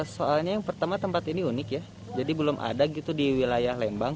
soalnya yang pertama tempat ini unik ya jadi belum ada gitu di wilayah lembang